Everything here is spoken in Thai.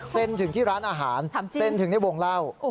ถึงที่ร้านอาหารเซ็นถึงในวงเล่า